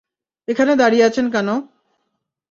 এখানে দাঁড়িয়ে আছেন কেন?